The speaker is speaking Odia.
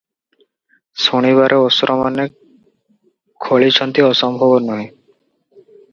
ଶୁଣିବାରେ ଅସୁରମାନେ ଖୋଳିଛନ୍ତି ଅସମ୍ଭବ ନୁହେଁ ।